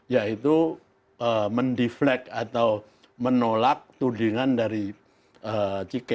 ya itu mendiflek atau menolak tudingan dari cina